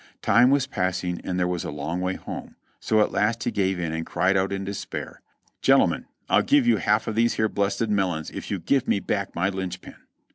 Time was passing, and there was a long way home, so at last he gave in and cried out in despair: "Gentlemen, I'll give you half of these here blessed melons if you gives me back my linchpin."